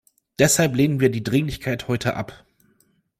Deshalb lehnen wir die Dringlichkeit heute ab.